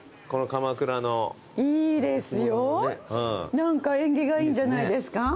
何か縁起がいいんじゃないですか？